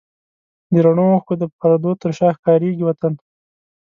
د رڼو اوښکو د پردو تر شا ښکارېږي وطن